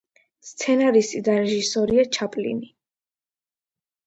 სცენარისტი და რეჟისორია ჩაპლინი.